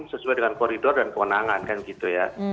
sesuai dengan koridor dan kewenangan kan gitu ya